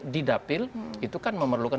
didapil itu kan memerlukan